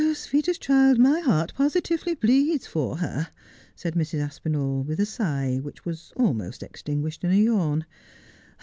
' Sweetest child, my heart positively bleeds for her,' said Mrs. Aspinall, with a sigh, which was almost extinguished in a yawn.